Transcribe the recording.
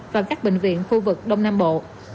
và các bệnh viện khu vực đông nam bộ